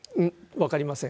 分かりません。